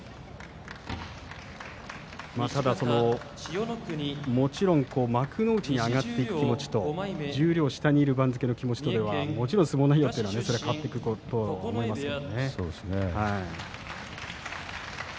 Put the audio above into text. ただ、もちろん幕内に上がっていく気持ちと十両２人いる番付の気持ちとではもちろん気持ちのうえでも変わってくると思いますが。